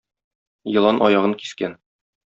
Елан аягын кискән.